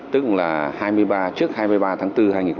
tức là trước hai mươi ba tháng bốn hai nghìn một mươi tám